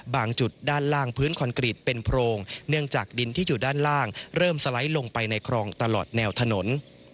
จุดด้านล่างพื้นคอนกรีตเป็นโพรงเนื่องจากดินที่อยู่ด้านล่างเริ่มสไลด์ลงไปในคลองตลอดแนวถนน